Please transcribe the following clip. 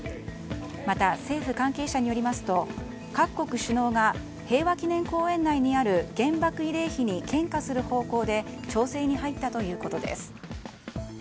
また、政府関係者によりますと各国首脳が平和記念公園内にある原爆慰霊碑に献花する方向で調整に入ったということです。